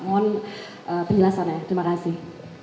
mohon penjelasannya terima kasih